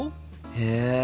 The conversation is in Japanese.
へえ。